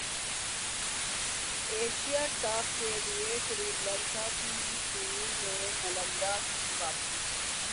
Asia cup کیلئے سری لنکا کی team میں ملنگا کی واپسی